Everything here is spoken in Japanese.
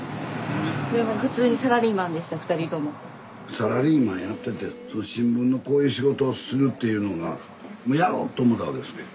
サラリーマンやってて新聞のこういう仕事をするっていうのがもうやろう！と思ったわけですね？